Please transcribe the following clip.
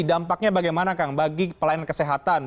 dampaknya bagaimana kang bagi pelayanan kesehatan